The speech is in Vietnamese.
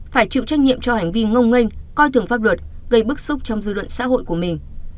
phải chịu trách nhiệm cho hành vi ngông nghênh coi thường pháp luật gây bức xúc trong dư luận xã hội của mình